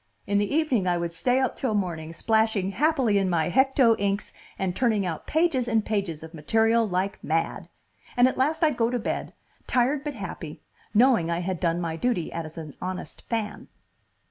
In the evening I would stay up til morning, splashing happily in my hecto inks, and turning out pages and pages of material like mad. And at last I'd go to bed, tired but happy, knowing I had done my duty as an honest fan.